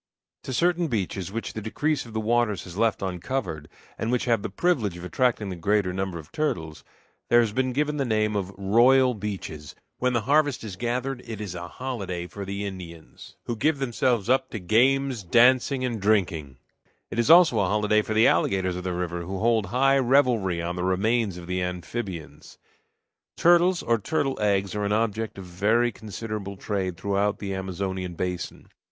To certain beaches which the decrease of the waters has left uncovered, and which have the privilege of attracting the greater number of turtles, there has been given the name of "royal beaches." When the harvest is gathered it is a holiday for the Indians, who give themselves up to games, dancing, and drinking; and it is also a holiday for the alligators of the river, who hold high revelry on the remains of the amphibians. Turtles, or turtle eggs, are an object of very considerable trade throughout the Amazonian basin.